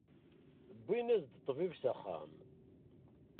Wwin-as-d ṭṭbib s axxam.